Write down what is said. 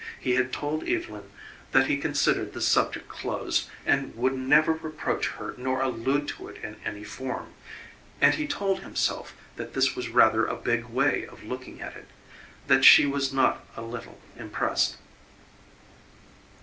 He had told Evylyn that he considered the subject closed and would never reproach her nor allude to it in any form; and he told himself that this was rather a big way of looking at it that she was not a little impressed.